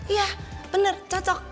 ya bener cocok